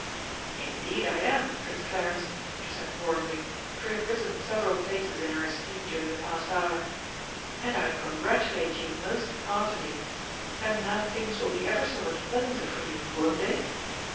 "Indeed I am, Prince Clarence," she said warmly, for he had risen several places in her esteem during the past hour. "And I congratulate you most heartily. And now things will be ever so much pleasanter for you, won't they?"